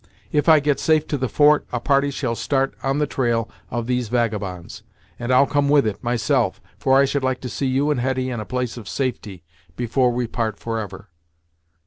"If I get safe to the fort, a party shall start on the trail of these vagabonds, and I'll come with it, myself, for I should like to see you and Hetty in a place of safety, before we part forever."